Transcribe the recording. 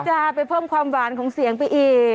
จะไปเพิ่มความหวานของเสียงไปอีก